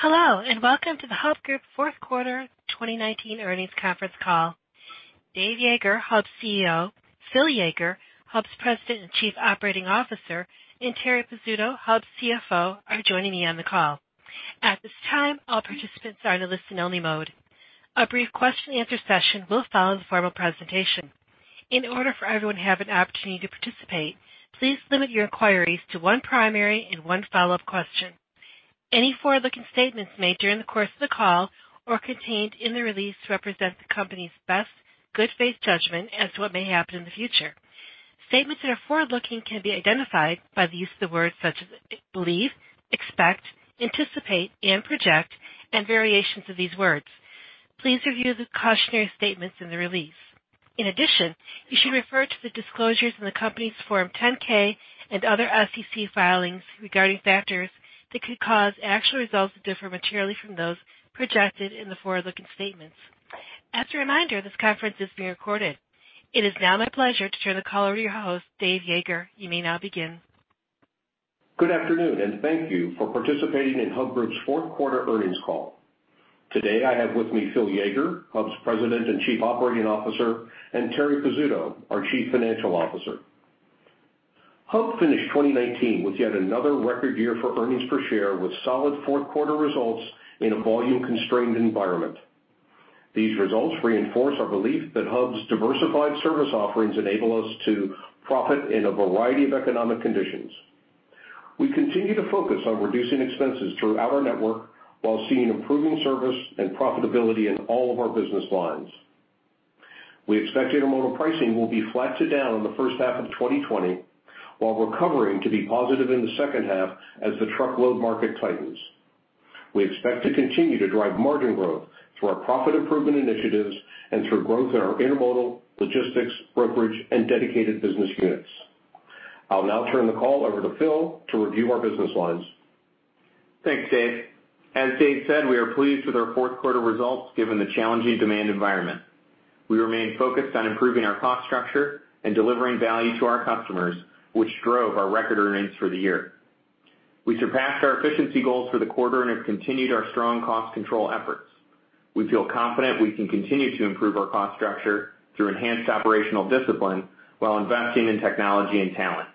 Hello, welcome to the Hub Group Q4 2019 earnings conference call. Dave Yeager, Hub's CEO, Phil Yeager, Hub's President and Chief Operating Officer, and Terri Pizzuto, Hub's CFO, are joining me on the call. At this time, all participants are in a listen only mode. A brief question and answer session will follow the formal presentation. In order for everyone to have an opportunity to participate, please limit your inquiries to one primary and one follow-up question. Any forward-looking statements made during the course of the call or contained in the release represent the company's best good faith judgment as to what may happen in the future. Statements that are forward-looking can be identified by the use of words such as believe, expect, anticipate, and project, and variations of these words. Please review the cautionary statements in the release. In addition, you should refer to the disclosures in the company's Form 10-K and other SEC filings regarding factors that could cause actual results to differ materially from those projected in the forward-looking statements. As a reminder, this conference is being recorded. It is now my pleasure to turn the call over to your host, Dave Yeager. You may now begin. Good afternoon. Thank you for participating in Hub Group's Q4 earnings call. Today, I have with me Phil Yeager, Hub's President and Chief Operating Officer, and Terri Pizzuto, our Chief Financial Officer. Hub finished 2019 with yet another record year for earnings per share with solid Q4 results in a volume-constrained environment. These results reinforce our belief that Hub's diversified service offerings enable us to profit in a variety of economic conditions. We continue to focus on reducing expenses throughout our network while seeing improving service and profitability in all of our business lines. We expect intermodal pricing will be flat to down in the H1 of 2020, while recovering to be positive in the H2 as the truckload market tightens. We expect to continue to drive margin growth through our profit improvement initiatives and through growth in our intermodal, logistics, brokerage, and dedicated business units. I'll now turn the call over to Phil to review our business lines. Thanks, Dave. As Dave said, we are pleased with our Q4 results given the challenging demand environment. We remain focused on improving our cost structure and delivering value to our customers, which drove our record earnings for the year. We surpassed our efficiency goals for the quarter and have continued our strong cost control efforts. We feel confident we can continue to improve our cost structure through enhanced operational discipline while investing in technology and talent.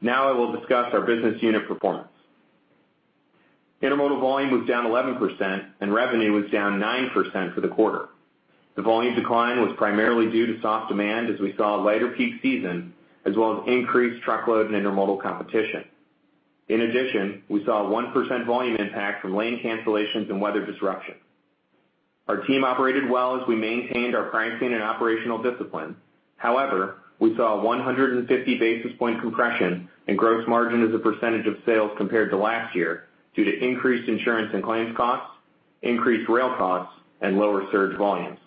Now I will discuss our business unit performance. intermodal volume was down 11%, and revenue was down 9% for the quarter. The volume decline was primarily due to soft demand as we saw a lighter peak season as well as increased truckload and intermodal competition. In addition, we saw a 1% volume impact from lane cancellations and weather disruption. Our team operated well as we maintained our pricing and operational discipline. However, we saw a 150-basis point compression in gross margin as a percentage of sales compared to last year due to increased insurance and claims costs, increased rail costs, and lower surge volumes.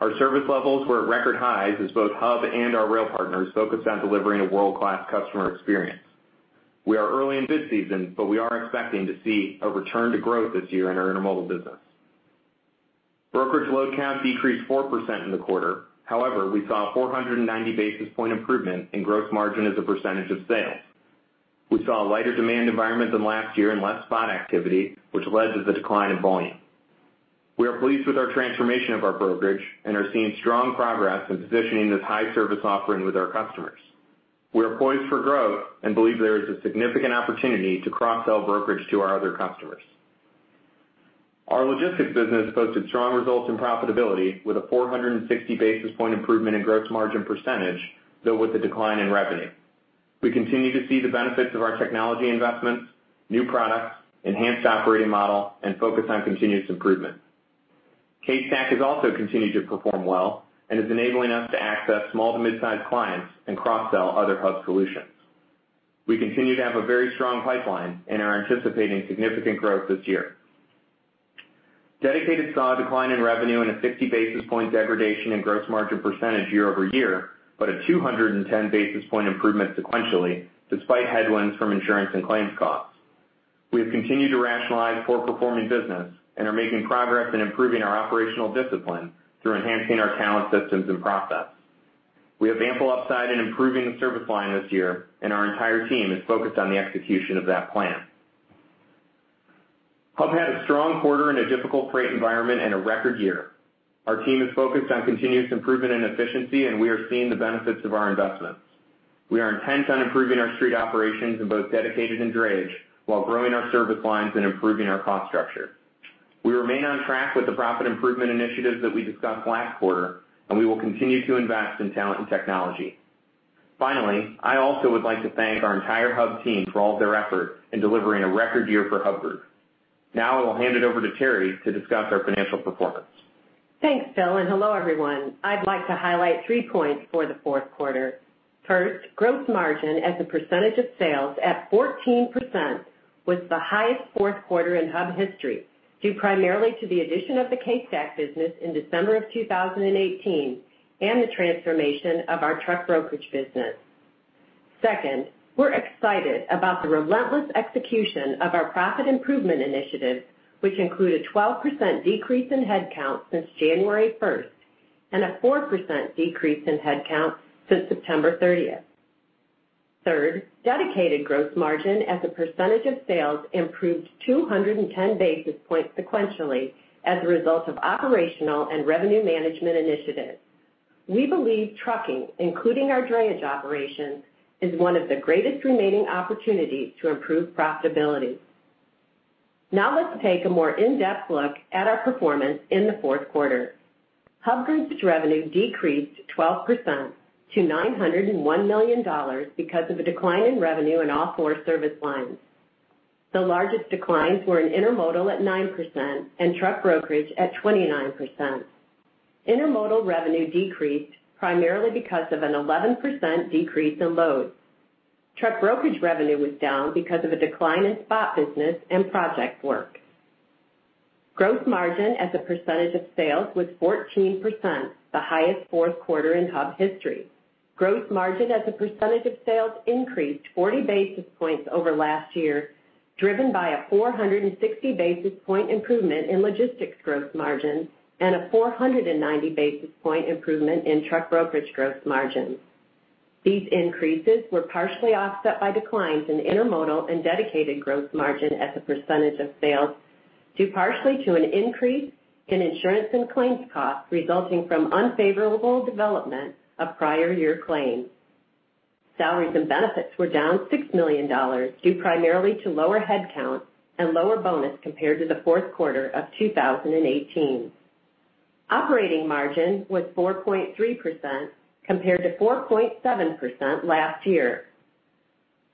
Our service levels were at record highs as both Hub and our rail partners focused on delivering a world-class customer experience. We are early in bid season, but we are expecting to see a return to growth this year in our intermodal business. Brokerage load counts decreased 4% in the quarter. However, we saw a 490-basis point improvement in gross margin as a percentage of sales. We saw a lighter demand environment than last year and less spot activity, which led to the decline in volume. We are pleased with our transformation of our brokerage and are seeing strong progress in positioning this high service offering with our customers. We are poised for growth and believe there is a significant opportunity to cross-sell brokerage to our other customers. Our logistics business posted strong results and profitability with a 460-basis point improvement in gross margin percentage, though with a decline in revenue. We continue to see the benefits of our technology investments, new products, enhanced operating model, and focus on continuous improvement. CaseStack has also continued to perform well and is enabling us to access small to midsize clients and cross-sell other Hub solutions. We continue to have a very strong pipeline and are anticipating significant growth this year. Dedicated saw a decline in revenue and a 50-basis point degradation in gross margin percentage year-over-year, but a 210-basis point improvement sequentially, despite headwinds from insurance and claims costs. We have continued to rationalize poor performing business and are making progress in improving our operational discipline through enhancing our talent systems and process. We have ample upside in improving the service line this year, and our entire team is focused on the execution of that plan. Hub had a strong quarter in a difficult freight environment and a record year. Our team is focused on continuous improvement and efficiency, and we are seeing the benefits of our investments. We are intent on improving our street operations in both dedicated and drayage while growing our service lines and improving our cost structure. We remain on track with the profit improvement initiatives that we discussed last quarter, and we will continue to invest in talent and technology. Finally, I also would like to thank our entire Hub team for all of their efforts in delivering a record year for Hub Group. Now I will hand it over to Terri to discuss our financial performance. Thanks, Phil, and hello, everyone. I'd like to highlight three points for the Q4. First, gross margin as a percentage of sales at 14% was the highest Q4 in Hub history, due primarily to the addition of the CaseStack business in December of 2018 and the transformation of our truck brokerage business. Second, we're excited about the relentless execution of our profit improvement initiatives, which include a 12% decrease in headcount since January 1st and a 4% decrease in headcount since September 30th. Third, dedicated gross margin as a percentage of sales improved 210-basis points sequentially as a result of operational and revenue management initiatives. We believe trucking, including our drayage operations, is one of the greatest remaining opportunities to improve profitability. Now let's take a more in-depth look at our performance in the Q4. Hub Group's revenue decreased 12% to $901 million because of a decline in revenue in all four service lines. The largest declines were in intermodal at 9% and truck brokerage at 29%. Intermodal revenue decreased primarily because of an 11% decrease in loads. Truck brokerage revenue was down because of a decline in spot business and project work. Gross margin as a percentage of sales was 14%, the highest Q4 in Hub history. Gross margin as a percentage of sales increased 40-basis points over last year, driven by a 460-basis point improvement in logistics gross margin and a 490-basis point improvement in truck brokerage gross margin. These increases were partially offset by declines in intermodal and dedicated gross margin as a percentage of sales due partially to an increase in insurance and claims costs resulting from unfavorable development of prior year claims. Salaries and benefits were down $6 million, due primarily to lower headcount and lower bonus compared to the Q4 of 2018. Operating margin was 4.3% compared to 4.7% last year.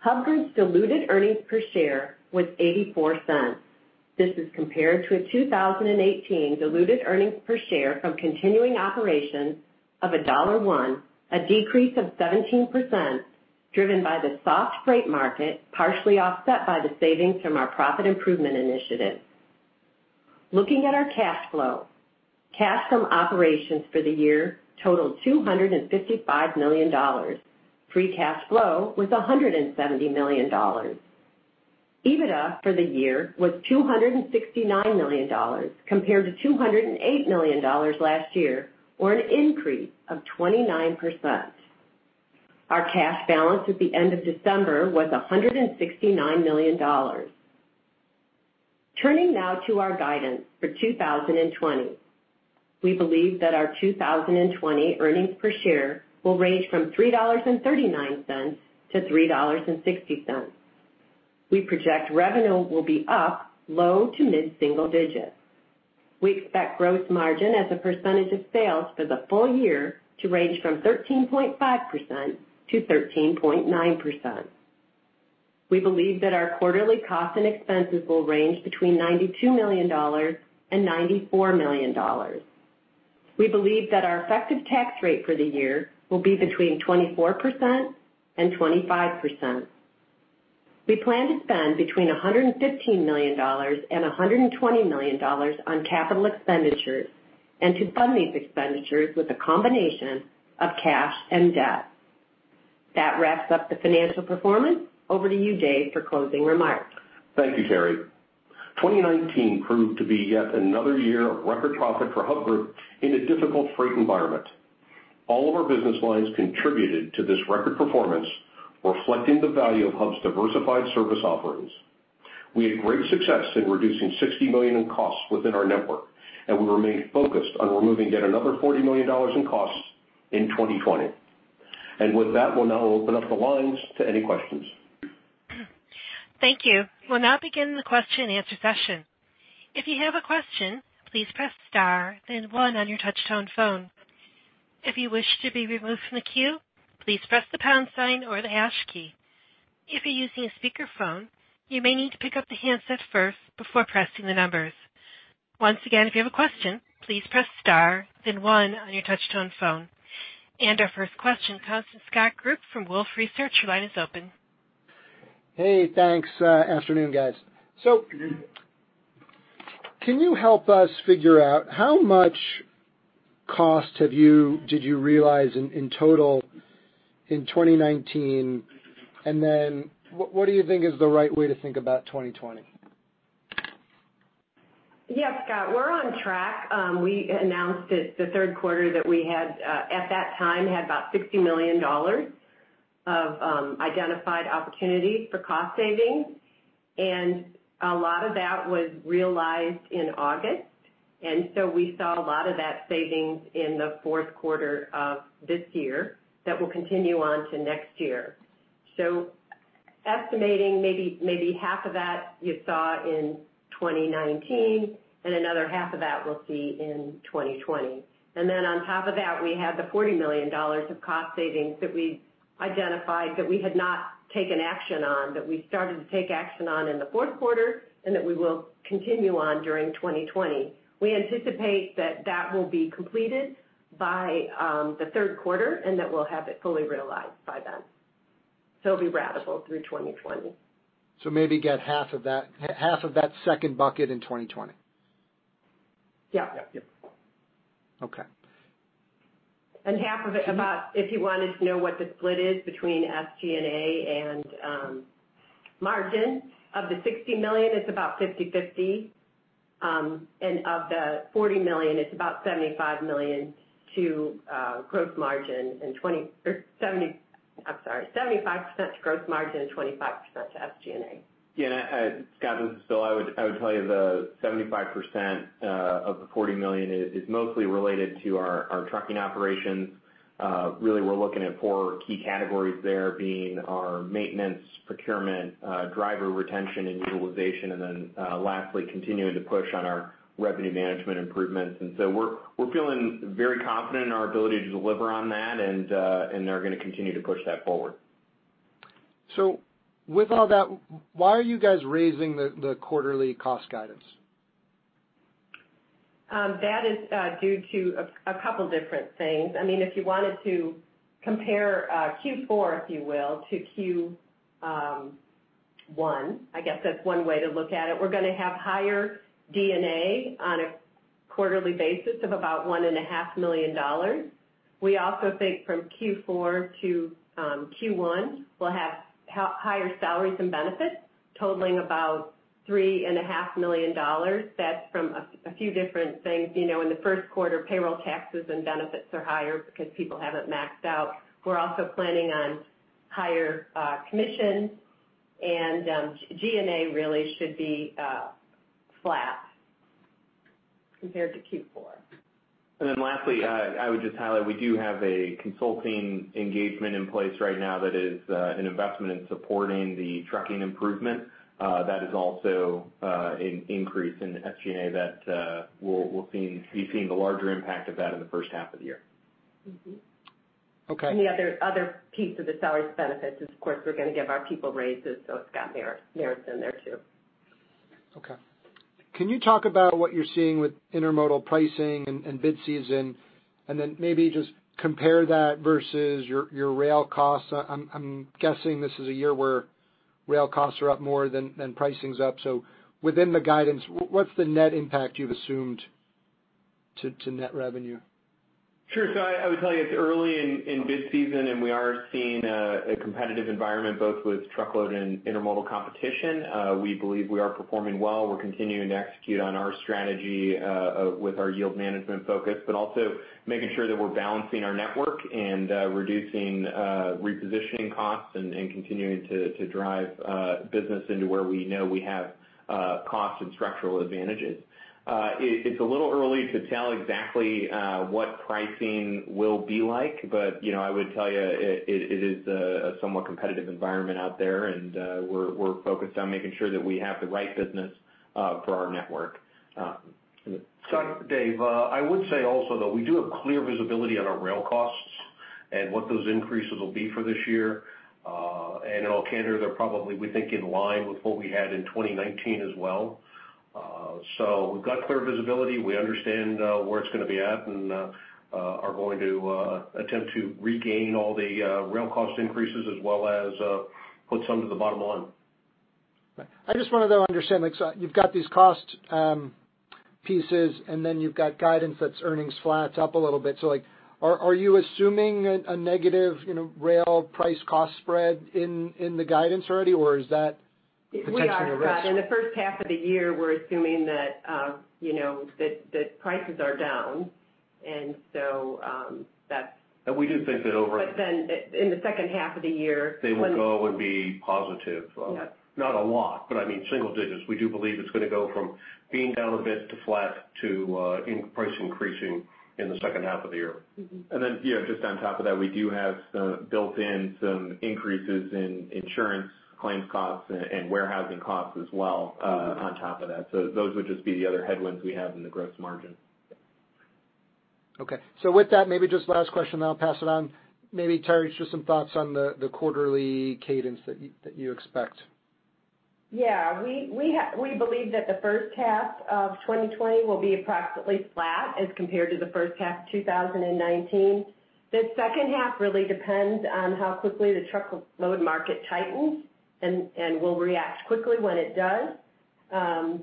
Hub Group's diluted earnings per share was $0.84. This is compared to a 2018 diluted earnings per share from continuing operations of $1.01, a decrease of 17%, driven by the soft freight market, partially offset by the savings from our profit improvement initiative. Looking at our cash flow, cash from operations for the year totaled $255 million. Free cash flow was $170 million. EBITDA for the year was $269 million, compared to $208 million last year, or an increase of 29%. Our cash balance at the end of December was $169 million. Turning now to our guidance for 2020. We believe that our 2020 earnings per share will range from $3.39-$3.60. We project revenue will be up low to mid-single digits. We expect gross margin as a percentage of sales for the full year to range from 13.5%-13.9%. We believe that our quarterly costs and expenses will range between $92 million and $94 million. We believe that our effective tax rate for the year will be between 24% and 25%. We plan to spend between $115 million and $120 million on capital expenditures and to fund these expenditures with a combination of cash and debt. That wraps up the financial performance. Over to you, Dave, for closing remarks. Thank you, Terri. 2019 proved to be yet another year of record profit for Hub Group in a difficult freight environment. All of our business lines contributed to this record performance, reflecting the value of Hub's diversified service offerings. We had great success in reducing $60 million in costs within our network, and we remain focused on removing yet another $40 million in costs in 2020. With that, we'll now open up the lines to any questions. Thank you. We'll now begin the question-and-answer session. If you have a question, please press star, then one on your touch-tone phone. If you wish to be removed from the queue, please press the pound sign or the hash key. If you're using a speakerphone, you may need to pick up the handset first before pressing the numbers. Once again, if you have a question, please press star, then one on your touch-tone phone. Our first question comes from Scott Group from Wolfe Research. Your line is open. Hey, thanks. Afternoon, guys. Can you help us figure out how much cost did you realize in total in 2019? What do you think is the right way to think about 2020? Yeah, Scott, we're on track. We announced it the Q3 that we, at that time, had about $60 million of identified opportunities for cost savings, and a lot of that was realized in August. We saw a lot of that savings in the Q4 of this year that will continue on to next year. Estimating maybe half of that you saw in 2019 and another half of that we'll see in 2020. On top of that, we have the $40 million of cost savings that we identified that we had not taken action on, that we started to take action on in the Q4, and that we will continue on during 2020. We anticipate that that will be completed by the Q3, and that we'll have it fully realized by then. It'll be ratable through 2020. Maybe get half of that second bucket in 2020? Yeah. Okay. Half of it, about, if you wanted to know what the split is between SG&A and Margin of the $60 million is about 50/50. Of the $40 million, it's about 75% to gross margin and 25% to SG&A. Yeah, Scott, this is Phil. I would tell you the 75% of the $40 million is mostly related to our trucking operations. Really, we're looking at four key categories there being our maintenance, procurement, driver retention, and utilization, and then lastly, continuing to push on our revenue management improvements. We're feeling very confident in our ability to deliver on that, and they're going to continue to push that forward. With all that, why are you guys raising the quarterly cost guidance? That is due to a couple different things. If you wanted to compare Q4, if you will, to Q1, I guess that's one way to look at it. We're going to have higher D&A on a quarterly basis of about $1.5 million. We also think from Q4-Q1, we'll have higher salaries and benefits totaling about $3.5 million. That's from a few different things. In the Q1, payroll taxes and benefits are higher because people haven't maxed out. We're also planning on higher commission, and G&A really should be flat compared to Q4. Lastly, I would just highlight, we do have a consulting engagement in place right now that is an investment in supporting the trucking improvement. That is also an increase in the SG&A that we'll be seeing the larger impact of that in the H1 of the year. Okay. The other piece of the salaries benefits is, of course, we're going to give our people raises, so it's got merits in there, too. Okay. Can you talk about what you're seeing with intermodal pricing and bid season, and then maybe just compare that versus your rail costs? I'm guessing this is a year where rail costs are up more than pricing's up. Within the guidance, what's the net impact you've assumed to net revenue? Sure. I would tell you it's early in bid season, and we are seeing a competitive environment, both with truckload and intermodal competition. We believe we are performing well. We're continuing to execute on our strategy, with our yield management focus, but also making sure that we're balancing our network and reducing repositioning costs and continuing to drive business into where we know we have cost and structural advantages. It's a little early to tell exactly what pricing will be like, but I would tell you it is a somewhat competitive environment out there, and we're focused on making sure that we have the right business for our network. Scott, Dave. I would say also, though, we do have clear visibility on our rail costs and what those increases will be for this year. In all candor, they're probably, we think, in line with what we had in 2019 as well. We've got clear visibility. We understand where it's going to be at, and are going to attempt to regain all the rail cost increases as well as put some to the bottom line. Right. I just want to though understand, you've got these cost pieces, and then you've got guidance that's earnings flat to up a little bit. Are you assuming a negative rail price cost spread in the guidance already, or is that potentially a risk? We are, Scott. In the H1 of the year, we're assuming that prices are down. We do think that over. In the H2 of the year. They will go and be positive. Yeah. Not a lot, but I mean, single digits. We do believe it's going to go from being down a bit to flat to price increasing in the H2 of the year. Just on top of that, we do have built in some increases in insurance claims costs and warehousing costs as well on top of that. Those would just be the other headwinds we have in the gross margin. Okay. With that, maybe just last question, then I'll pass it on. Maybe, Terri, just some thoughts on the quarterly cadence that you expect. We believe that the H1 of 2020 will be approximately flat as compared to the H1 of 2019. The H2 really depends on how quickly the truckload market tightens, and we'll react quickly when it does. Our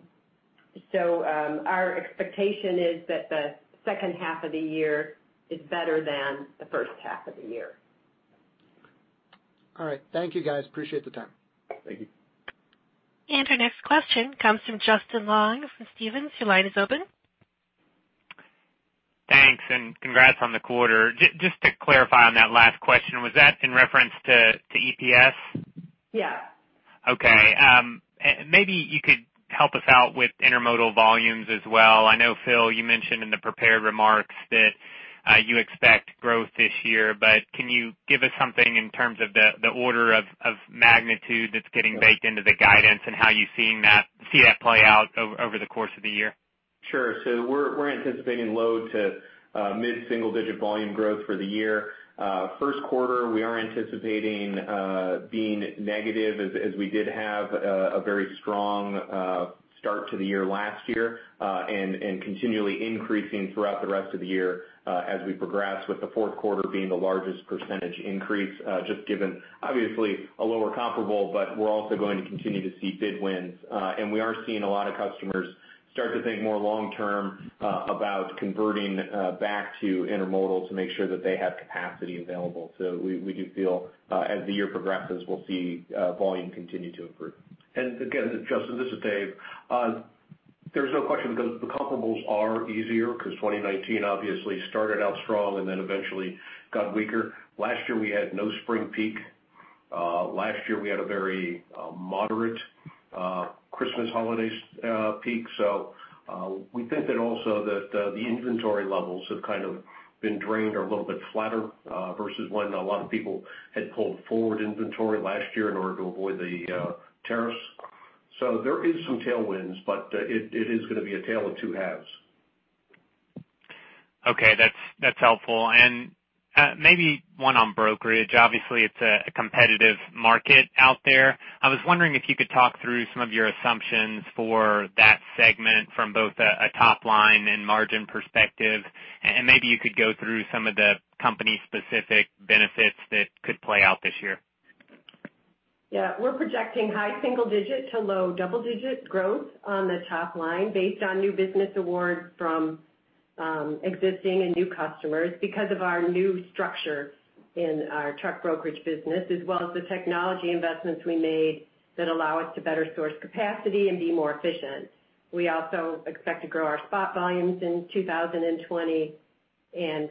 expectation is that the H2 of the year is better than the H1 of the year. All right. Thank you guys. Appreciate the time. Thank you. Our next question comes from Justin Long from Stephens. Your line is open. Thanks, and congrats on the quarter. Just to clarify on that last question, was that in reference to EPS? Yeah. Okay. Maybe you could help us out with intermodal volumes as well. I know, Phil, you mentioned in the prepared remarks that you expect growth this year, but can you give us something in terms of the order of magnitude that's getting baked into the guidance and how you see that play out over the course of the year? Sure. We're anticipating low to mid-single digit volume growth for the year. Q1, we are anticipating being negative as we did have a very strong start to the year last year, and continually increasing throughout the rest of the year as we progress, with the Q4 being the largest percentage increase, just given obviously a lower comparable, but we're also going to continue to see bid wins. We are seeing a lot of customers start to think more long term about converting back to intermodal to make sure that they have capacity available. We do feel, as the year progresses, we'll see volume continue to improve. Justin, this is Dave. There's no question because the comparables are easier, because 2019 obviously started out strong and then eventually got weaker. Last year we had no spring peak. Last year we had a very moderate Christmas holiday peak. We think that also that the inventory levels have kind of been drained or are a little bit flatter versus when a lot of people had pulled forward inventory last year in order to avoid the tariffs. There is some tailwinds, but it is going to be a tale of two halves. Okay. That's helpful. Maybe one on brokerage. Obviously, it's a competitive market out there. I was wondering if you could talk through some of your assumptions for that segment from both a top-line and margin perspective, and maybe you could go through some of the company-specific benefits that could play out this year. We're projecting high single-digit to low double-digit growth on the top line based on new business awards from existing and new customers because of our new structure in our truck brokerage business, as well as the technology investments we made that allow us to better source capacity and be more efficient. We also expect to grow our spot volumes in 2020,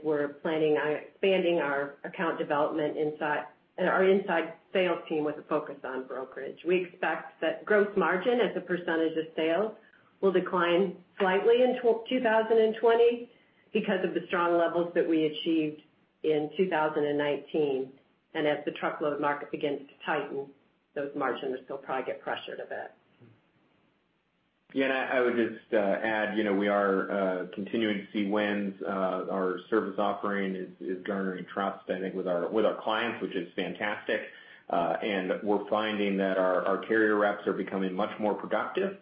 we're planning on expanding our account development inside, our inside sales team with a focus on brokerage. We expect that gross margin as a percentage of sales will decline slightly in 2020 because of the strong levels that we achieved in 2019. As the truckload market begins to tighten, those margins will still probably get pressured a bit. Yeah, I would just add, we are continuing to see wins. Our service offering is garnering trust, I think, with our clients, which is fantastic. We're finding that our carrier reps are becoming much more productive.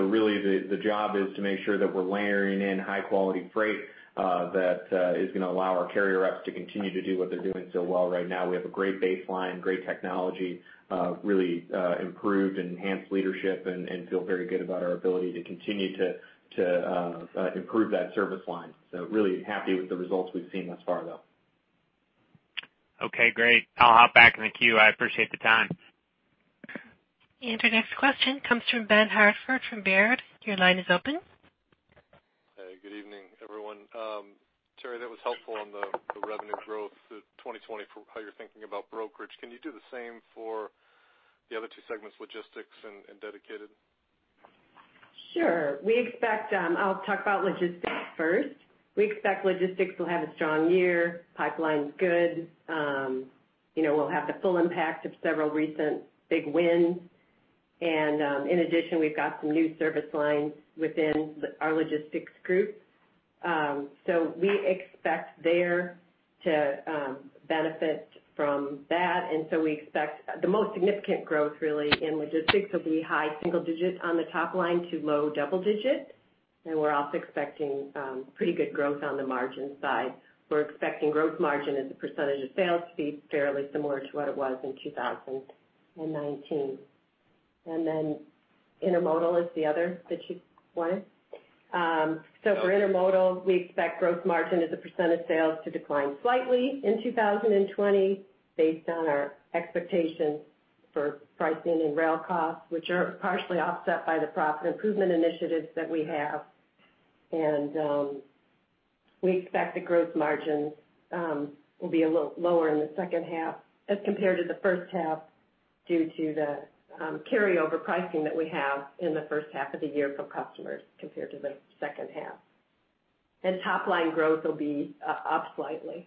Really the job is to make sure that we're layering in high-quality freight that is going to allow our carrier reps to continue to do what they're doing so well right now. We have a great baseline, great technology, really improved and enhanced leadership and feel very good about our ability to continue to improve that service line. Really happy with the results we've seen thus far, though. Okay, great. I'll hop back in the queue. I appreciate the time. Our next question comes from Ben Hartford from Baird. Your line is open. Hey, good evening, everyone. Terri, that was helpful on the revenue growth for 2020, for how you're thinking about brokerage. Can you do the same for the other two segments, logistics and dedicated? Sure. I'll talk about logistics first. We expect logistics will have a strong year. Pipeline's good. We'll have the full impact of several recent big wins. In addition, we've got some new service lines within our logistics group. We expect there to benefit from that. We expect the most significant growth really in logistics will be high single digit on the top line to low double digit. We're also expecting pretty good growth on the margin side. We're expecting growth margin as a percentage of sales to be fairly similar to what it was in 2019. Intermodal is the other that you want. For intermodal, we expect growth margin as a percentage of sales to decline slightly in 2020 based on our expectations for pricing and rail costs, which are partially offset by the profit improvement initiatives that we have. We expect the gross margins will be a little lower in the H2 as compared to the H1 due to the carryover pricing that we have in the H1 of the year for customers compared to the H2. Top-line growth will be up slightly.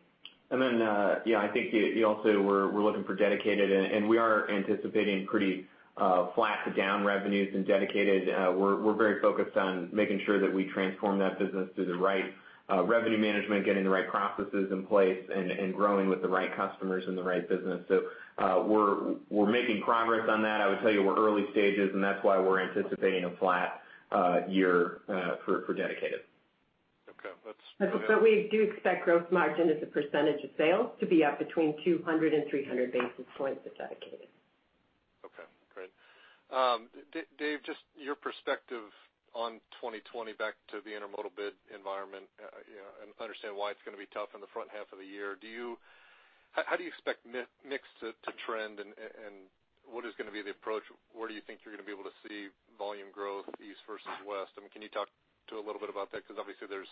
I think you also were looking for dedicated, and we are anticipating pretty flat to down revenues in dedicated. We're very focused on making sure that we transform that business through the right revenue management, getting the right processes in place, and growing with the right customers in the right business. We're making progress on that. I would tell you we're early stages, and that's why we're anticipating a flat year for Dedicated. Okay. We do expect gross margin as a percentage of sales to be up between 200 and 300-basis points with Dedicated. Okay, great. Dave, just your perspective on 2020 back to the intermodal bid environment, and understand why it's going to be tough in the front half of the year. How do you expect mix to trend and what is going to be the approach? Where do you think you're going to be able to see volume growth east versus west? Can you talk to a little bit about that? Obviously there's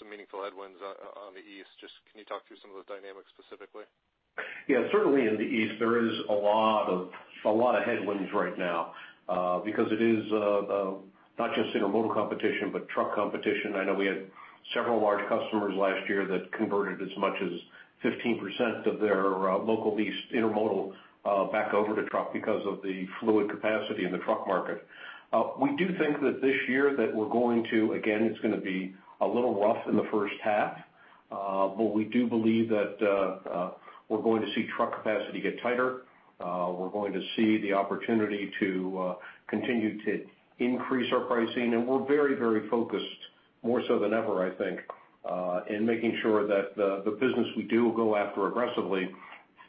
some meaningful headwinds on the east. Just can you talk through some of the dynamics specifically? Yeah. Certainly in the east, there is a lot of headwinds right now. It is not just intermodal competition, but truck competition. I know we had several large customers last year that converted as much as 15% of their local lease intermodal back over to truck because of the fluid capacity in the truck market. We do think that this year that we're going to, again, it's going to be a little rough in the H1. We do believe that we're going to see truck capacity get tighter. We're going to see the opportunity to continue to increase our pricing. We're very focused, more so than ever, I think, in making sure that the business we do go after aggressively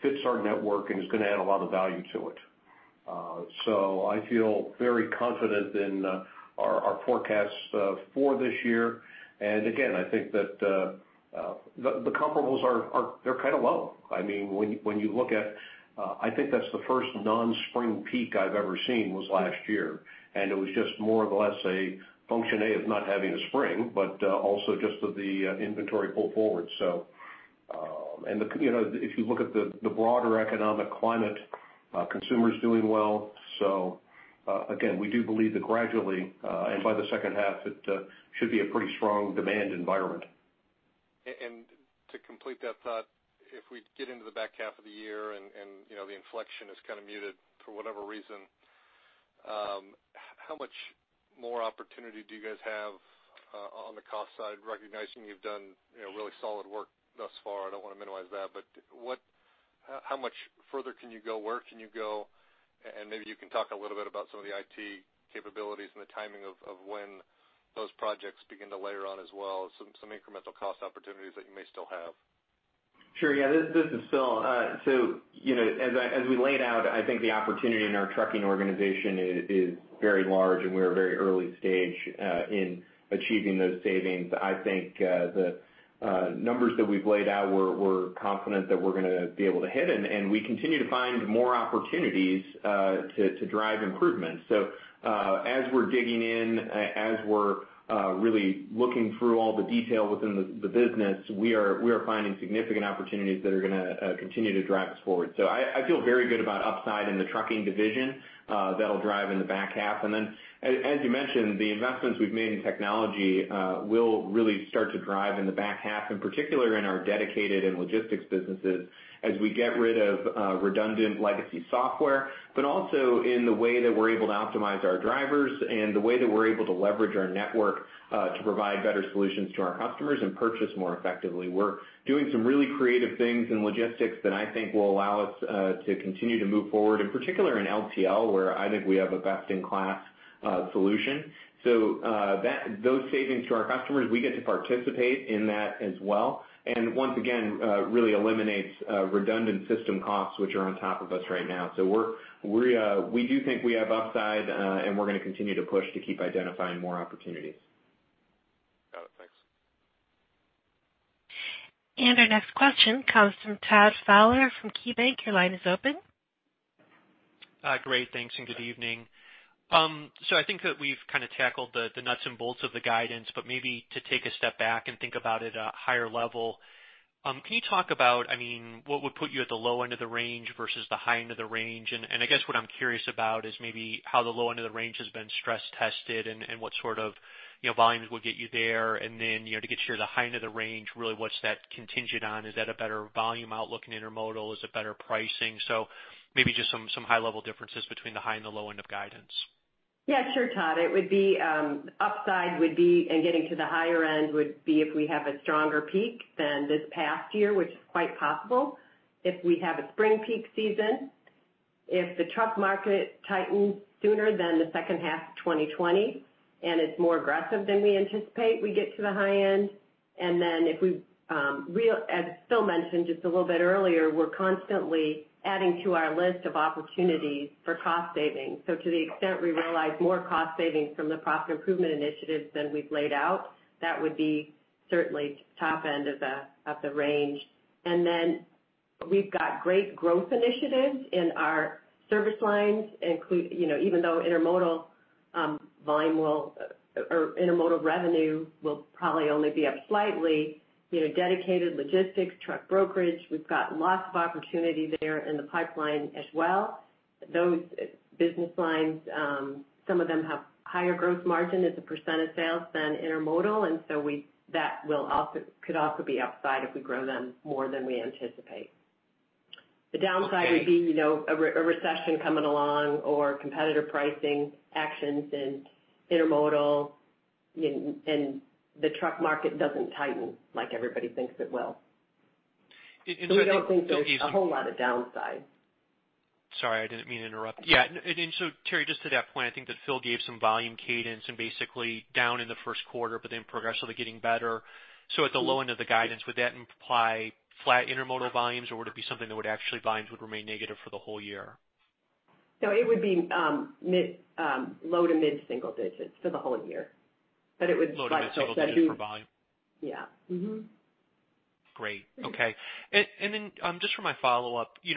fits our network and is going to add a lot of value to it. I feel very confident in our forecasts for this year. Again, I think that the comparables are kind of low. I think that's the first non-spring peak I've ever seen, was last year, and it was just more or less a function A of not having a spring, but also just of the inventory pull forward. If you look at the broader economic climate, consumers doing well. Again, we do believe that gradually, and by the H2, it should be a pretty strong demand environment. To complete that thought, if we get into the back half of the year and the inflection is kind of muted for whatever reason, how much more opportunity do you guys have on the cost side, recognizing you've done really solid work thus far? I don't want to minimize that, but how much further can you go? Where can you go? Maybe you can talk a little bit about some of the IT capabilities and the timing of when those projects begin to layer on as well, some incremental cost opportunities that you may still have. Sure. Yeah. This is Phil. As we laid out, I think the opportunity in our trucking organization is very large, and we're very early stage in achieving those savings. I think the numbers that we've laid out we're confident that we're going to be able to hit, and we continue to find more opportunities to drive improvements. As we're digging in, as we're really looking through all the detail within the business, we are finding significant opportunities that are going to continue to drive us forward. I feel very good about upside in the trucking division that'll drive in the back half. As you mentioned, the investments we've made in technology will really start to drive in the back half, in particular in our dedicated and logistics businesses as we get rid of redundant legacy software, but also in the way that we're able to optimize our drivers and the way that we're able to leverage our network to provide better solutions to our customers and purchase more effectively. We're doing some really creative things in logistics that I think will allow us to continue to move forward, in particular in LTL, where I think we have a best-in-class solution. Those savings to our customers, we get to participate in that as well. Once again, really eliminates redundant system costs, which are on top of us right now. We do think we have upside, and we're going to continue to push to keep identifying more opportunities. Got it. Thanks. Our next question comes from Todd Fowler from KeyBanc. Your line is open. Great. Thanks, good evening. I think that we've kind of tackled the nuts and bolts of the guidance, maybe to take a step back and think about it at a higher level. Can you talk about what would put you at the low end of the range versus the high end of the range? I guess what I'm curious about is maybe how the low end of the range has been stress tested and what sort of volumes would get you there. To get you to the high end of the range, really what's that contingent on? Is that a better volume outlook in intermodal? Is it better pricing? Maybe just some high-level differences between the high and the low end of guidance. Yeah, sure, Todd. Upside would be, and getting to the higher end would be if we have a stronger peak than this past year, which is quite possible. If we have a spring peak season, if the truck market tightens sooner than the H2 of 2020, and it's more aggressive than we anticipate, we get to the high end. As Phil mentioned just a little bit earlier, we're constantly adding to our list of opportunities for cost savings. To the extent we realize more cost savings from the profit improvement initiatives than we've laid out, that would be certainly top end of the range. We've got great growth initiatives in our service lines. Even though intermodal revenue will probably only be up slightly, dedicated logistics, truck brokerage, we've got lots of opportunity there in the pipeline as well. Those business lines, some of them have higher gross margin as a percentage of sales than intermodal, that could also be upside if we grow them more than we anticipate. The downside would be a recession coming along or competitor pricing actions in intermodal, and the truck market doesn't tighten like everybody thinks it will. We don't think there's a whole lot of downside. Sorry, I didn't mean to interrupt. Yeah. Terri, just to that point, I think that Phil gave some volume cadence and basically down in the Q1, but then progressively getting better. At the low end of the guidance, would that imply flat intermodal volumes, or would it be something that would actually volumes would remain negative for the whole year? No, it would be low to mid-single digits for the whole year. Low to mid-single digits for volume. Yeah. Mm-hmm. Great. Okay. Just for my follow-up. I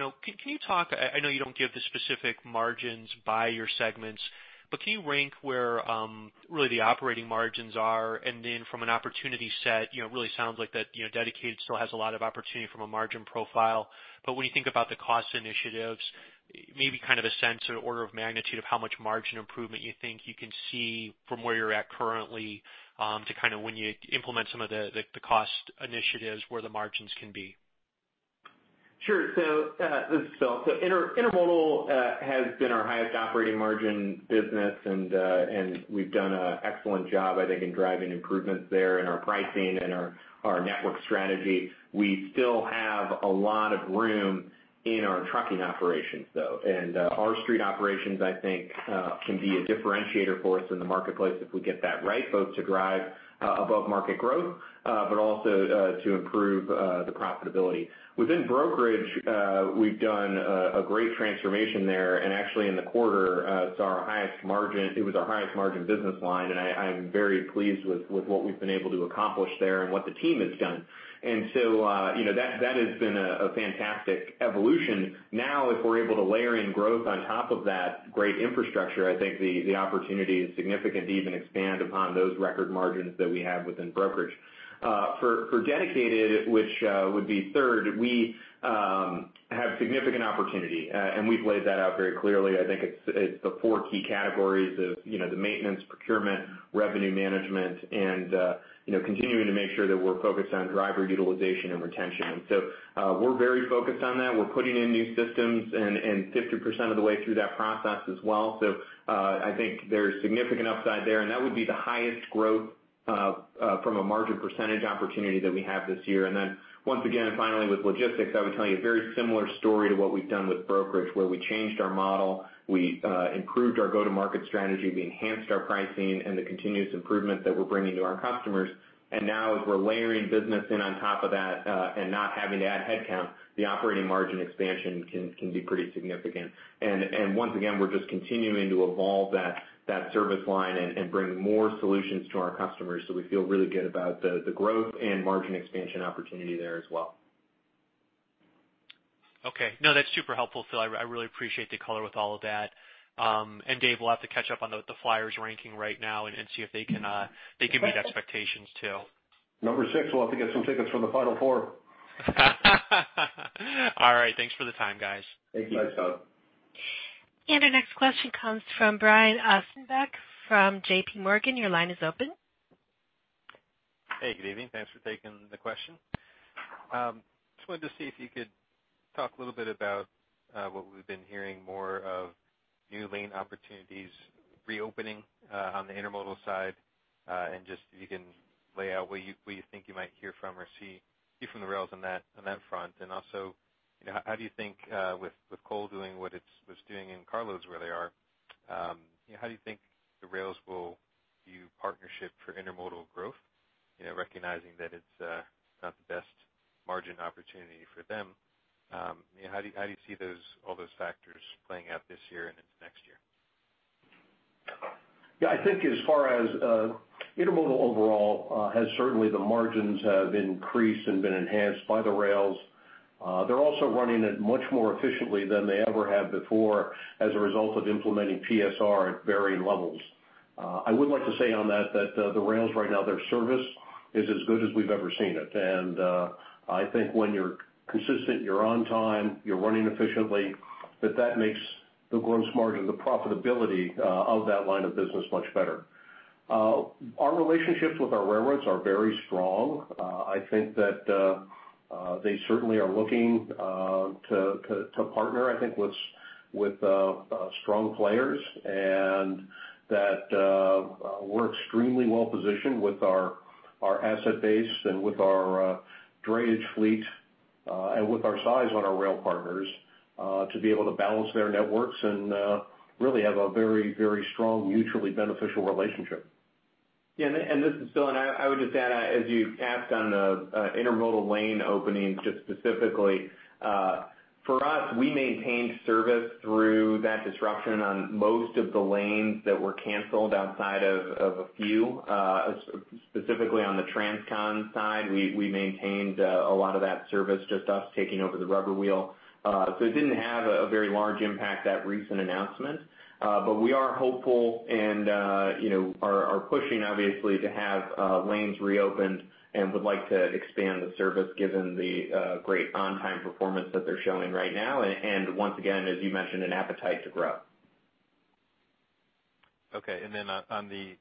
know you don't give the specific margins by your segments, but can you rank where really the operating margins are? From an opportunity set, it really sounds like that dedicated still has a lot of opportunity from a margin profile. When you think about the cost initiatives, maybe kind of a sense or order of magnitude of how much margin improvement you think you can see from where you're at currently to kind of when you implement some of the cost initiatives where the margins can be. Sure. This is Phil. Intermodal has been our highest operating margin business, and we've done an excellent job, I think, in driving improvements there in our pricing and our network strategy. We still have a lot of room in our trucking operations, though. Our street operations, I think, can be a differentiator for us in the marketplace if we get that right, both to drive above-market growth, but also to improve the profitability. Within brokerage, we've done a great transformation there. Actually, in the quarter, it was our highest margin business line, and I am very pleased with what we've been able to accomplish there and what the team has done. That has been a fantastic evolution. If we're able to layer in growth on top of that great infrastructure, I think the opportunity is significant to even expand upon those record margins that we have within brokerage. For dedicated, which would be third, we have significant opportunity, and we've laid that out very clearly. I think it's the four key categories of the maintenance, procurement, revenue management, and continuing to make sure that we're focused on driver utilization and retention. We're very focused on that. We're putting in new systems and 50% of the way through that process as well. I think there's significant upside there, and that would be the highest growth from a margin percentage opportunity that we have this year. Once again, finally, with logistics, I would tell you, a very similar story to what we've done with brokerage, where we changed our model, we improved our go-to-market strategy, we enhanced our pricing and the continuous improvement that we're bringing to our customers. Now as we're layering business in on top of that, and not having to add headcount, the operating margin expansion can be pretty significant. Once again, we're just continuing to evolve that service line and bring more solutions to our customers. We feel really good about the growth and margin expansion opportunity there as well. Okay. No, that's super helpful, Phil. I really appreciate the color with all of that. Dave, we'll have to catch up on the Flyers ranking right now and see if they can meet expectations too. Number six. We'll have to get some tickets for the Final Four. All right. Thanks for the time, guys. Thank you. Thanks, Todd. Our next question comes from Brian Ossenbeck from J.P. Morgan. Your line is open. Hey, good evening. Thanks for taking the question. Just wanted to see if you could talk a little bit about what we've been hearing more of new lane opportunities reopening on the intermodal side. Just if you can lay out what you think you might hear from or see from the rails on that front. Also, how do you think, with coal doing what it's doing and carloads where they are, how do you think the rails will view partnership for intermodal growth, recognizing that it's not the best margin opportunity for them? How do you see all those factors playing out this year and into next year? Yeah, I think as far as intermodal overall, certainly the margins have increased and been enhanced by the rails. They're also running it much more efficiently than they ever have before as a result of implementing PSR at varying levels. I would like to say on that the rails right now, their service is as good as we've ever seen it. I think when you're consistent, you're on time, you're running efficiently, that makes the gross margin, the profitability of that line of business much better. Our relationships with our railroads are very strong. I think that they certainly are looking to partner, I think, with strong players, and that we're extremely well-positioned with our asset base and with our drayage fleet, and with our size on our rail partners, to be able to balance their networks and really have a very strong mutually beneficial relationship. Yeah. This is Phil, I would just add, as you asked on the intermodal lane openings, just specifically, for us, we maintained service through that disruption on most of the lanes that were canceled outside of a few, specifically on the transcon side. We maintained a lot of that service, just us taking over the rubber wheel. It didn't have a very large impact, that recent announcement. We are hopeful and are pushing obviously to have lanes reopened and would like to expand the service given the great on-time performance that they're showing right now. Once again, as you mentioned, an appetite to grow. Okay, on the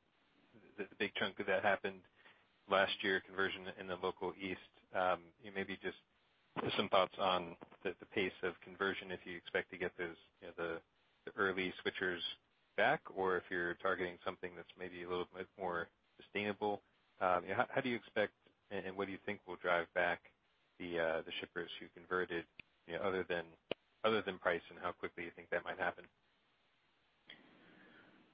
big chunk of that happened last year, conversion in the local east. Maybe just some thoughts on the pace of conversion if you expect to get the early switchers back, or if you're targeting something that's maybe a little bit more sustainable. How do you expect, and what do you think will drive back the shippers who converted, other than price, and how quickly you think that might happen?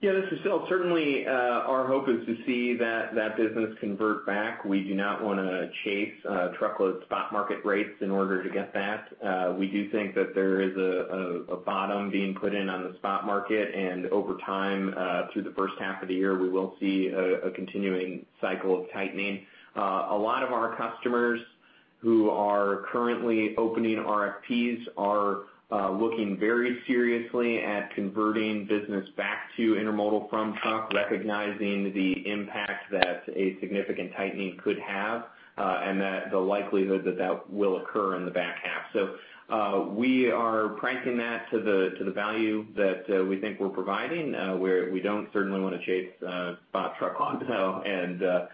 Yeah. This is Phil. Certainly, our hope is to see that business convert back. We do not want to chase truckload spot market rates in order to get that. We do think that there is a bottom being put in on the spot market, and over time, through the H1 of the year, we will see a continuing cycle of tightening. A lot of our customers who are currently opening RFPs are looking very seriously at converting business back to intermodal from truck, recognizing the impact that a significant tightening could have, and that the likelihood that that will occur in the back half. We are pricing that to the value that we think we're providing, where we don't certainly want to chase spot truck loads out.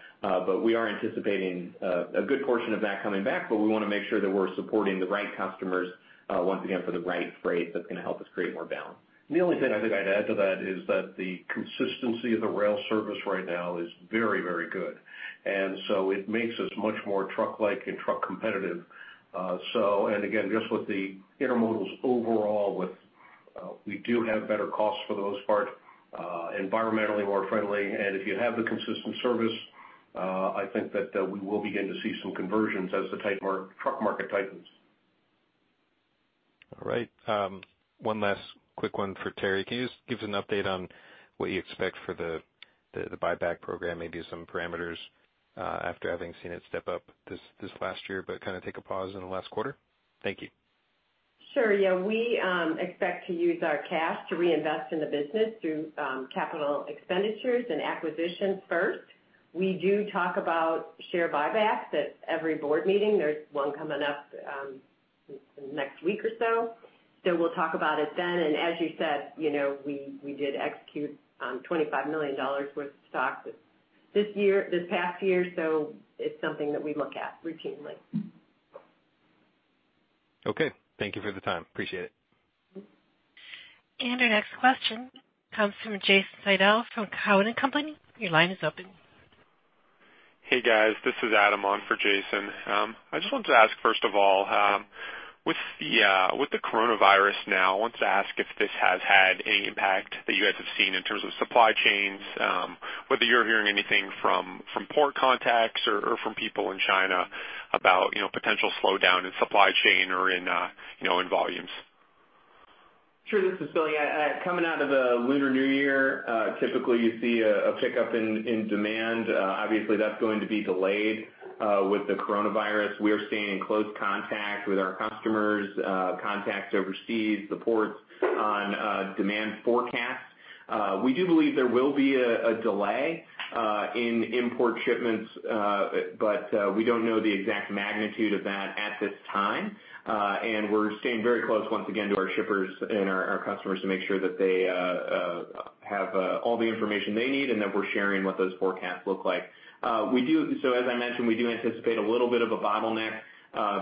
We are anticipating a good portion of that coming back, but we want to make sure that we're supporting the right customers, once again, for the right freight that's going to help us create more balance. The only thing I think I'd add to that is that the consistency of the rail service right now is very good. It makes us much more truck-like and truck competitive. Again, just with the intermodals overall, we do have better costs for the most part, environmentally more friendly, and if you have the consistent service, I think that we will begin to see some conversions as the truck market tightens. All right. One last quick one for Terri. Can you just give us an update on what you expect for the buyback program, maybe some parameters, after having seen it step up this last year, but kind of take a pause in the last quarter? Thank you. Sure, yeah. We expect to use our cash to reinvest in the business through capital expenditures and acquisitions first. We do talk about share buybacks at every board meeting. There's one coming up in the next week or so. We'll talk about it then. As you said, we did execute on $25 million worth of stock this past year, so it's something that we look at routinely. Okay. Thank you for the time. Appreciate it. Our next question comes from Jason Seidl from Cowen and Company. Your line is open. Hey, guys. This is Adam on for Jason. I just wanted to ask, first of all, with the coronavirus now, I wanted to ask if this has had any impact that you guys have seen in terms of supply chains, whether you're hearing anything from port contacts or from people in China about potential slowdown in supply chain or in volumes. Sure, this is Phil. Coming out of the Lunar New Year, typically you see a pickup in demand. That's going to be delayed with the coronavirus. We are staying in close contact with our customers, contacts overseas, the ports on demand forecasts. We do believe there will be a delay in import shipments, we don't know the exact magnitude of that at this time. We're staying very close, once again, to our shippers and our customers to make sure that they have all the information they need and that we're sharing what those forecasts look like. As I mentioned, we do anticipate a little bit of a bottleneck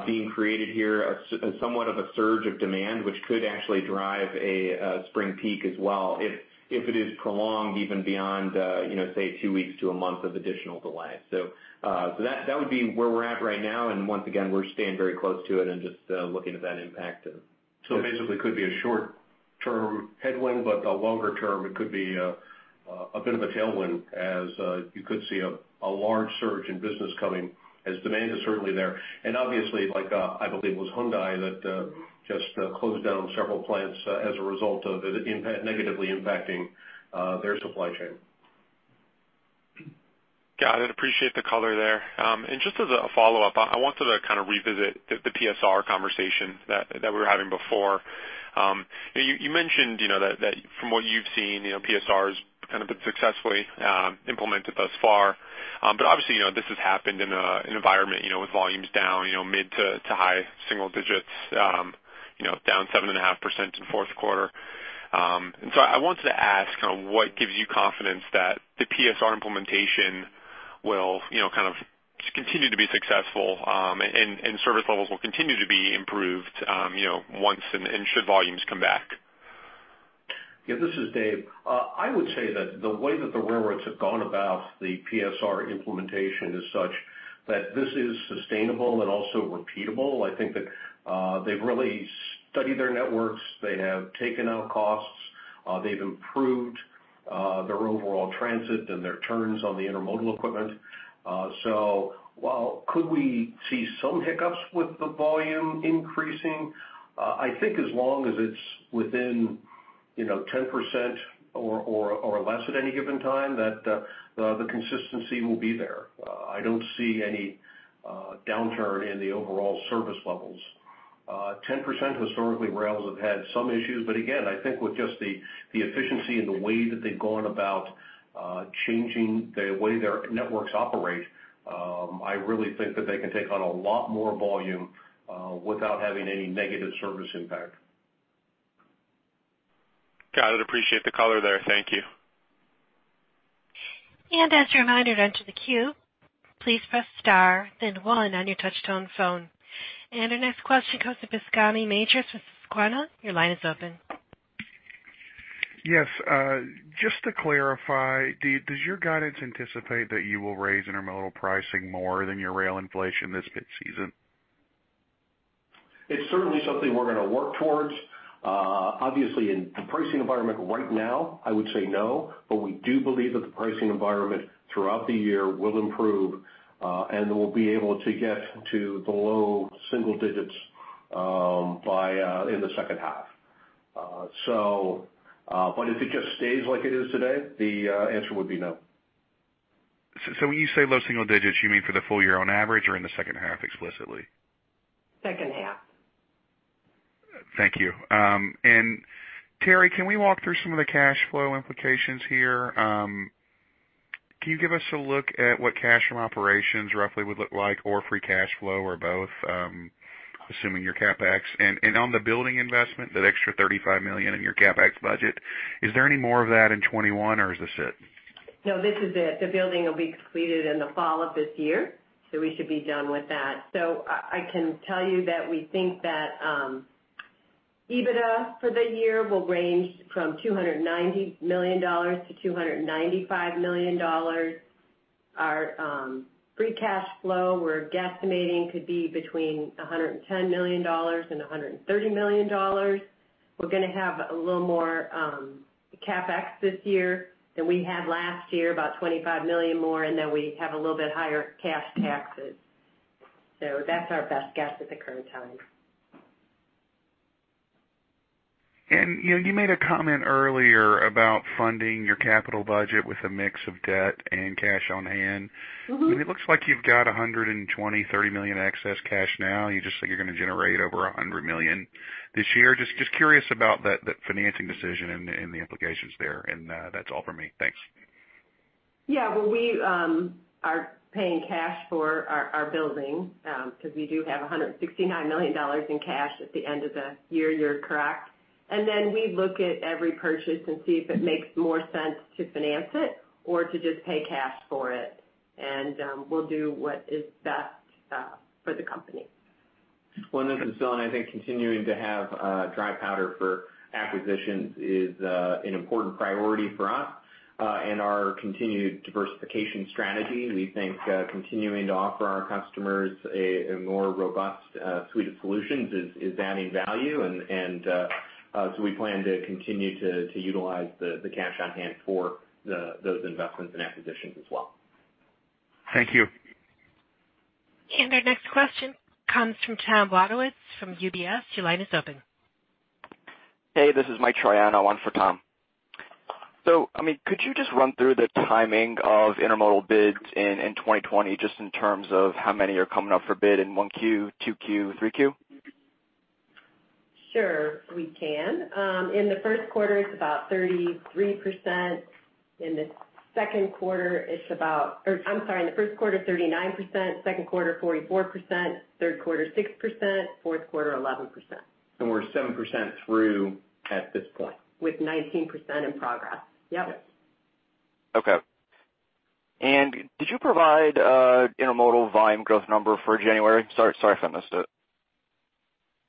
being created here, somewhat of a surge of demand, which could actually drive a spring peak as well if it is prolonged even beyond, say, two weeks to a month of additional delay. That would be where we're at right now, and once again, we're staying very close to it and just looking at that impact. Basically, it could be a short-term headwind, but longer term, it could be a bit of a tailwind as you could see a large surge in business coming as demand is certainly there. Obviously, like, I believe it was Hyundai that just closed down several plants as a result of it negatively impacting their supply chain. Got it. Appreciate the color there. Just as a follow-up, I wanted to kind of revisit the PSR conversation that we were having before. You mentioned that from what you've seen, PSR has kind of been successfully implemented thus far. Obviously, this has happened in an environment with volumes down mid to high single digits, down 7.5% in the Q4. I wanted to ask what gives you confidence that the PSR implementation will kind of continue to be successful, and service levels will continue to be improved should volumes come back. Yeah, this is Dave. I would say that the way that the railroads have gone about the PSR implementation is such that this is sustainable and also repeatable. I think that they've really studied their networks. They have taken out costs. They've improved their overall transit and their turns on the intermodal equipment. While could we see some hiccups with the volume increasing? I think as long as it's within 10% or less at any given time, that the consistency will be there. I don't see any downturn in the overall service levels. 10%, historically, rails have had some issues, again, I think with just the efficiency and the way that they've gone about changing the way their networks operate, I really think that they can take on a lot more volume without having any negative service impact. Got it. Appreciate the color there. Thank you. As a reminder to enter the queue, please press star then one on your touch-tone phone. Our next question comes from Bascome Majors with Susquehanna. Your line is open. Yes. Just to clarify, does your guidance anticipate that you will raise intermodal pricing more than your rail inflation this peak season? It's certainly something we're going to work towards. Obviously, in the pricing environment right now, I would say no, but we do believe that the pricing environment throughout the year will improve, and we'll be able to get to the low single digits in the H2. If it just stays like it is today, the answer would be no. When you say low single digits, you mean for the full year on average or in the H2 explicitly? H2. Thank you. Terri, can we walk through some of the cash flow implications here? Can you give us a look at what cash from operations roughly would look like or free cash flow or both, assuming your CapEx? On the building investment, that extra $35 million in your CapEx budget, is there any more of that in 2021 or is this it? No, this is it. The building will be completed in the fall of this year, so we should be done with that. I can tell you that we think that EBITDA for the year will range from $290-$295 million. Our free cash flow, we're guesstimating could be between $110 million and $130 million. We're going to have a little more CapEx this year than we had last year, about $25 million more, and then we have a little bit higher cash tax. That's our best guess at the current time. You made a comment earlier about funding your capital budget with a mix of debt and cash on hand. It looks like you've got $120, $30 million excess cash now. You just said you're going to generate over $100 million this year. Just curious about that financing decision and the implications there. That's all from me. Thanks. Yeah. Well, we are paying cash for our building, because we do have $169 million in cash at the end of the year, you're correct. We look at every purchase and see if it makes more sense to finance it or to just pay cash for it. We'll do what is best for the company. Well, this is Phil. I think continuing to have dry powder for acquisitions is an important priority for us. In our continued diversification strategy, we think continuing to offer our customers a more robust suite of solutions is adding value. We plan to continue to utilize the cash on hand for those investments and acquisitions as well. Thank you. Our next question comes from Thomas Wadewitz from UBS. Your line is open. Hey, this is Mike Triano, one for Tom. Could you just run through the timing of intermodal bids in 2020, just in terms of how many are coming up for bid in 1Q, 2Q, 3Q? Sure, we can. In the Q1 it's about 33%. I'm sorry, in the Q1, 39%, Q2 44%, Q3 6%, Q4 11%. We're 7% through at this point. With 19% in progress. Yep. Yes. Okay. Did you provide intermodal volume growth number for January? Sorry if I missed it.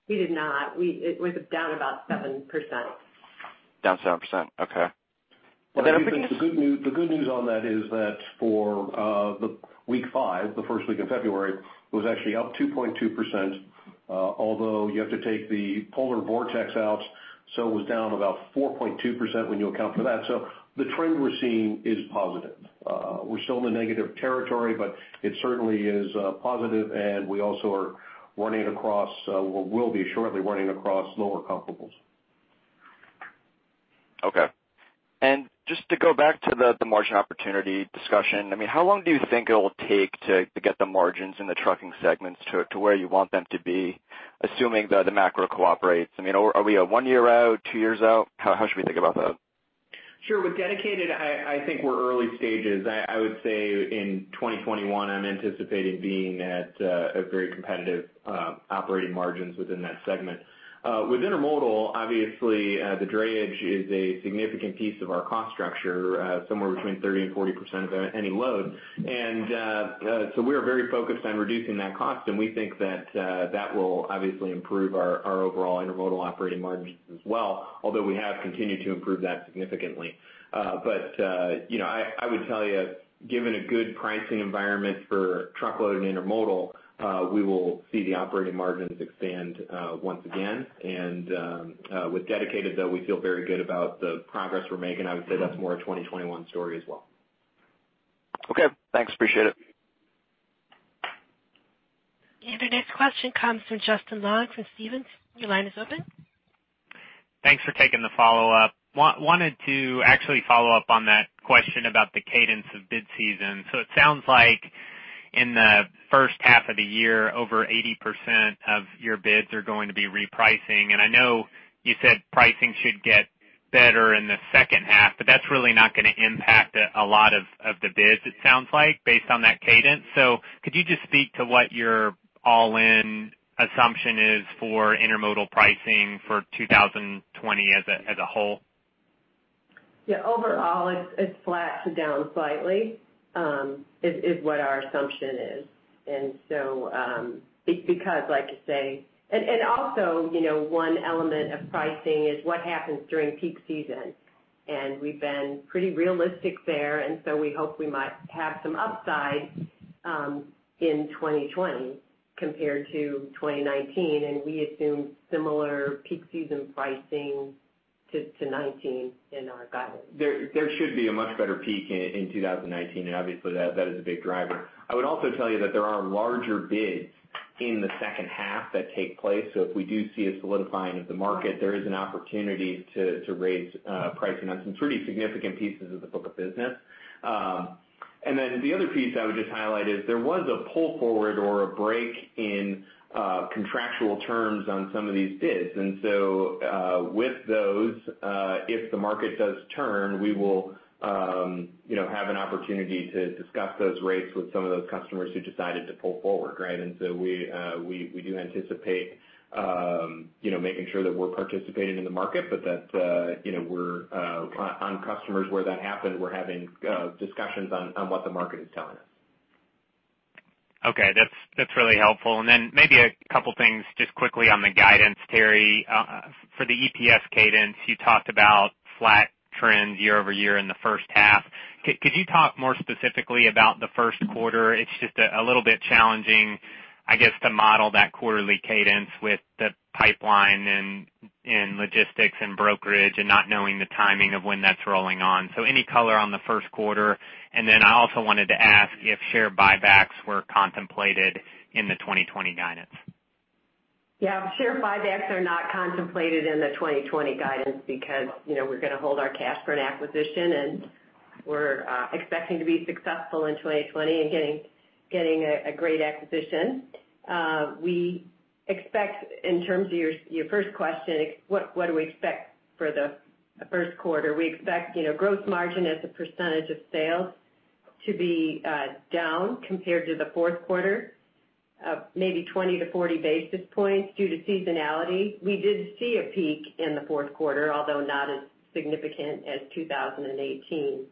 We did not. It was down about 7%. Down 7%. Okay. The good news on that is that for the week five, the first week of February, it was actually up 2.2%, although you have to take the Polar Vortex out, so it was down about 4.2% when you account for that. The trend we're seeing is positive. We're still in the negative territory, but it certainly is positive, and we also are running across, or will be shortly running across lower comparables. Okay. Just to go back to the margin opportunity discussion. How long do you think it will take to get the margins in the trucking segments to where you want them to be, assuming the macro cooperates? Are we a one year out, two years out? How should we think about that? Sure. With dedicated, I think we're early stages. I would say in 2021, I'm anticipating being at a very competitive operating margins within that segment. With intermodal, obviously, the drayage is a significant piece of our cost structure, somewhere between 30% and 40% of any load. We are very focused on reducing that cost, and we think that will obviously improve our overall intermodal operating margins as well, although we have continued to improve that significantly. I would tell you, given a good pricing environment for truckload and intermodal, we will see the operating margins expand once again. With dedicated, though, we feel very good about the progress we're making. I would say that's more a 2021 story as well. Okay. Thanks. Appreciate it. Our next question comes from Justin Long from Stephens. Your line is open. Thanks for taking the follow-up. Wanted to actually follow up on that question about the cadence of bid season. It sounds like in the H1 of the year, over 80% of your bids are going to be repricing. I know you said pricing should get better in the H2, but that's really not going to impact a lot of the bids, it sounds like, based on that cadence. Could you just speak to what your all-in assumption is for intermodal pricing for 2020 as a whole? Yeah. Overall, it's flat to down slightly, is what our assumption is. It's because, like you say, and also one element of pricing is what happens during peak season. We've been pretty realistic there, and so we hope we might have some upside in 2020 compared to 2019. We assume similar peak season pricing to 2019 in our guidance. There should be a much better peak in 2019, and obviously that is a big driver. I would also tell you that there are larger bids in the H2 that take place. If we do see a solidifying of the market, there is an opportunity to raise pricing on some pretty significant pieces of the book of business. The other piece I would just highlight is there was a pull forward or a break in contractual terms on some of these bids. With those, if the market does turn, we will have an opportunity to discuss those rates with some of those customers who decided to pull forward, right? We do anticipate making sure that we're participating in the market, but that on customers where that happened, we're having discussions on what the market is telling us. That's really helpful. Maybe a couple things just quickly on the guidance, Terri. For the EPS cadence, you talked about flat trends year-over-year in the H1. Could you talk more specifically about the Q1? It's just a little bit challenging, I guess, to model that quarterly cadence with the pipeline and logistics and brokerage and not knowing the timing of when that's rolling on. Any color on the Q1, I also wanted to ask if share buybacks were contemplated in the 2020 guidance. Share buybacks are not contemplated in the 2020 guidance because we're going to hold our cash for an acquisition, and we're expecting to be successful in 2020 in getting a great acquisition. We expect in terms of your first question, what do we expect for the Q1? We expect gross margin as a percentage of sales to be down compared to the Q4, maybe 20 to 40 basis points due to seasonality. We did see a peak in the Q4, although not as significant as 2018.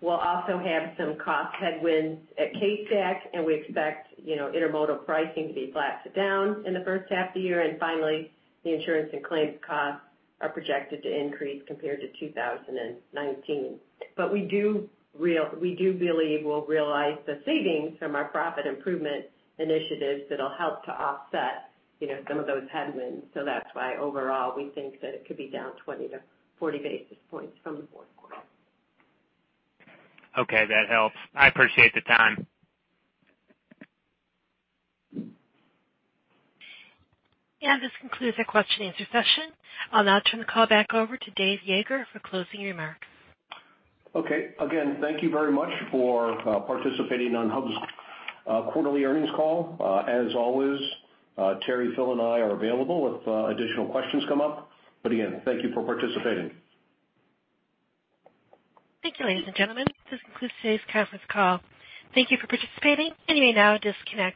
We'll also have some cost headwinds at CSX, and we expect intermodal pricing to be flat to down in the H1 of the year. Finally, the insurance and claims costs are projected to increase compared to 2019. We do believe we'll realize the savings from our profit improvement initiatives that'll help to offset some of those headwinds. That's why overall, we think that it could be down 20-40-basis points from the Q4. Okay. That helps. I appreciate the time. Yeah, this concludes our question-and-answer session. I'll now turn the call back over to Dave Yeager for closing remarks. Okay. Again, thank you very much for participating on Hub's quarterly earnings call. As always, Terri, Phil, and I are available if additional questions come up. Again, thank you for participating. Thank you, ladies and gentlemen. This concludes today's conference call. Thank you for participating. You may now disconnect.